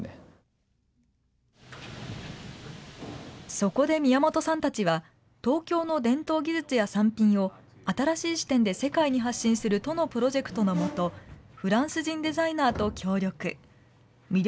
そこで宮本さんたちは、東京の伝統技術や産品を新しい視点で世界に発信する都のプロジェクトのもと、フランス人デザイナーと協力。